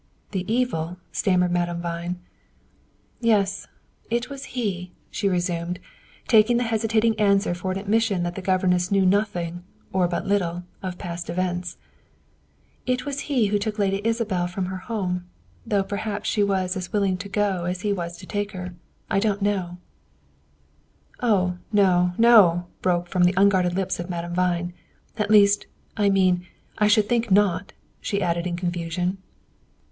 "The evil " stammered Madame Vine. "Yes, it was he," she resumed, taking the hesitating answer for an admission that the governess knew nothing, or but little, of past events. "It was he who took Lady Isabel from her home though perhaps she was as willing to go as he was to take her; I do know " "Oh, no, no!" broke from the unguarded lips of Madame Vine. "At least I mean I should think not," she added, in confusion.